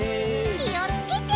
きをつけて。